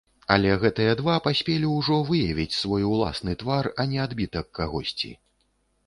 Але гэтыя два паспелі ўжо выявіць свой уласны твар, а не адбітак кагосьці.